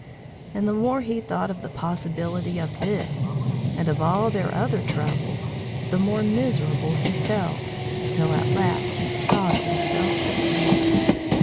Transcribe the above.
And the more he thought of the possibility of this, and of all their other troubles, the more miserable he felt, till at last he sobbed himself to sleep.